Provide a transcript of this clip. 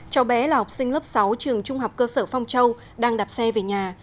cháu bé là học sinh lớp sáu trường trung học cơ sở phong châu đang đạp xe về nhà